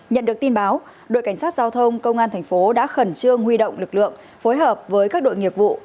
nhận được tin báo đội cảnh sát giao thông công an thành phố đã khẩn trương huy động lực lượng phối hợp với các đội nghiệp vụ